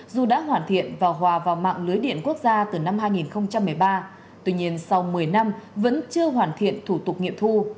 dù đã hoàn thiện và hòa vào mạng lưới điện quốc gia từ năm hai nghìn một mươi ba tuy nhiên sau một mươi năm vẫn chưa hoàn thiện thủ tục nghiệm thu